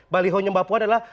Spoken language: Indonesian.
yang baliho nya mbak puan adalah